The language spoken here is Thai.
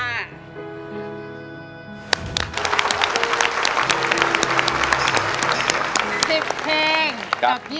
เสียบแพง